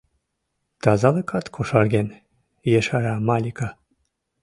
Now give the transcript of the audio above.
— Тазалыкат кошарген, — ешара Малика.